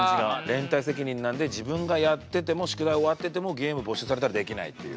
連帯責任なんで自分がやってても宿題終わっててもゲーム没収されたらできないっていう。